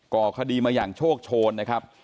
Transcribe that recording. ก่อคดีมาอย่างโชคโชนนะครับ